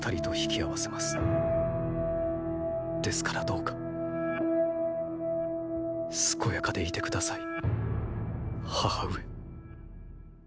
ですからどうか健やかでいて下さい母上。